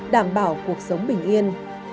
đảm bảo cuộc sống bình yên